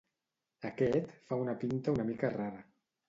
Aquest fa una pinta una mica rara.